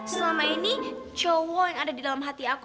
selama ini cowok yang ada di dalam hati aku